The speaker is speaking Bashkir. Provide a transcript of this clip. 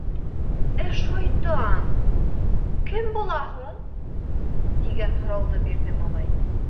— Ә шайтан... кем була һуң? — тигән һорауҙы бирҙе малай.